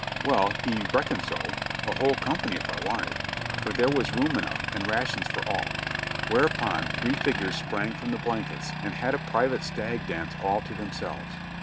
Well, he "reckoned so" — a whole company if I wanted, there was room enough, and rations for all. Whereupon three figiu'es sprang from the blankets and had a private stag dance all to themselves.